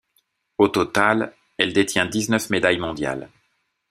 Au total, elle détient dix-neuf médailles mondiales.